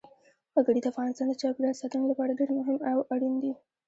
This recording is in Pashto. وګړي د افغانستان د چاپیریال ساتنې لپاره ډېر مهم او اړین دي.